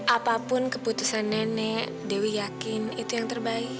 apapun keputusan nenek dewi yakin itu yang terbaik